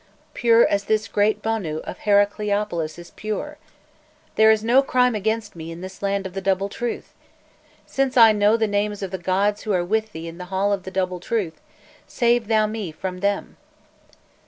Pure as this Great Bonû of Heracleopolis is pure!... There is no crime against me in this land of the Double Truth! Since I know the names of the gods who are with thee in the Hall of the Double Truth, save thou me from them!"